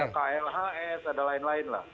ada klhs ada lain lain lah